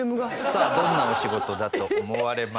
さあどんなお仕事だと思われますか？